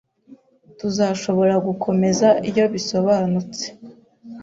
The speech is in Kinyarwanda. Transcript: Tuzashobora gukomeza iyo bisobanutse.